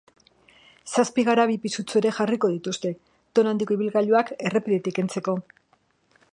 Zazpi garabi pisutsu ere jarriko dituzte, tona handiko ibilgailuak errepidetik kentzeko.